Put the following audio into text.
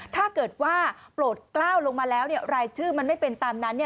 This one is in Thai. ถ้าเกิดว่าโปรดกล้าวลงมาแล้วรายชื่อมันไม่เป็นตามนั้น